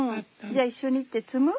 じゃあ一緒に行って摘む？